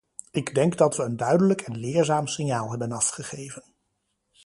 Ik denk dat we een duidelijk en leerzaam signaal hebben afgegeven.